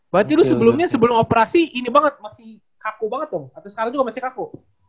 berarti lu sebelumnya sebelum operasi ini banget masih kaku banget dong atau sekarang juga masih kaku